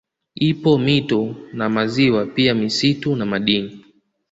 Ipo mito na maziwa pia misitu na madini